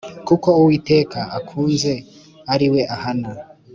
Kuko uwo Uwiteka akunze, ari we ahana,